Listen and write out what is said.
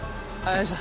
おいしょ。